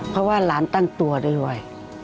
เพราะว่าหลานตั้งตัวด้วย